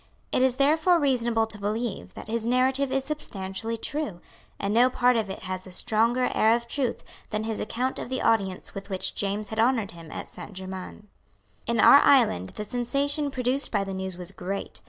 It is therefore reasonable to believe that his narrative is substantially true; and no part of it has a stronger air of truth than his account of the audience with which James had honoured him at Saint Germains. In our island the sensation produced by the news was great.